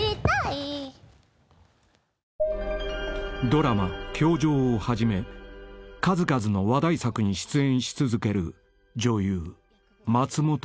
［ドラマ『教場』をはじめ数々の話題作に出演し続ける女優松本まりか］